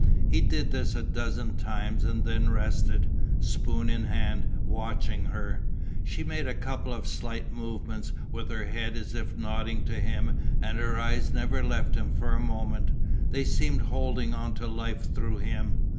He did this a dozen times and then rested, spoon in hand, watching her. She made a couple of slight movements with her head as if nodding to him and her eyes never left him for a moment, they seemed holding on to life through him.